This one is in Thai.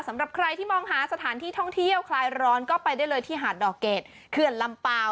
สำหรับใครที่มองหาสถานที่ท่องเที่ยวคลายร้อนก็ไปได้เลยที่หาดดอกเกดเขื่อนลำเปล่า